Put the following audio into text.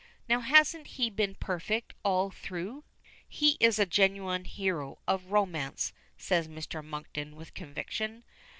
Now hasn't he been perfect all through?" "He is a genuine hero of romance," says Mr. Monkton with conviction.